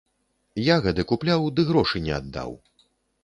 Ягады купляў, ды грошы не аддаў.